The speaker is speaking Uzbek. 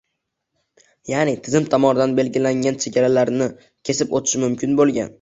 ya’ni tizim tomonidan belgilangan chegaralarini kesib o‘tishi mumkin bo‘lgan